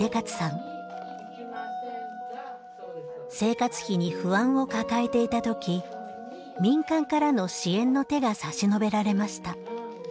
生活費に不安を抱えていたとき民間からの支援の手が差し伸べられました。